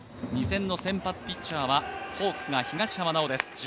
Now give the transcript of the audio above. ２戦の先発ピッチャーはホークスが東浜巨です。